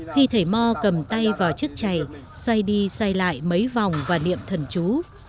khi thầy mo cầm tay vào chất chày xoay đi xoay lại mấy vòng và niệm thần chú